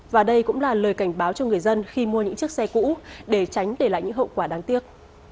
và đây cũng là lời cảnh báo cho người dân khi mua những chiếc xe cũ để tránh để lại những hậu quả đáng tiếc